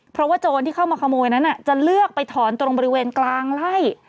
เพราะว่าโจรที่เข้ามาขโมยนั้นจะเลือกไปถอนตรงบริเวณกลางไล่